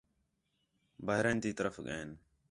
بحرین تی طرف ڳئین